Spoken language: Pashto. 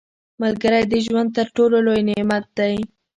• ملګری د ژوند تر ټولو لوی نعمت دی.